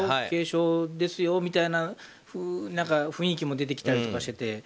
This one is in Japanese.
軽症ですよみたいな雰囲気も出てきたりしてて。